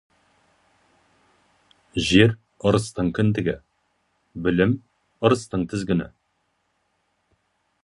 Жер — ырыстың кіндігі, білім — ырыстың тізгіні.